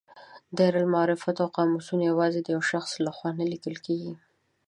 دایرة المعارفونه او قاموسونه یوازې د یو شخص له خوا نه لیکل کیږي.